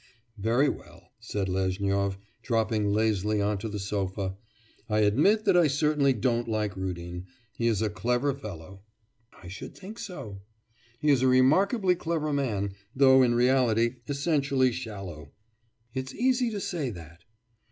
'Very well,' said Lezhnyov, dropping lazily on to the sofa; 'I admit that I certainly don't like Rudin. He is a clever fellow.' 'I should think so.' 'He is a remarkably clever man, though in reality essentially shallow.' 'It's easy to say that.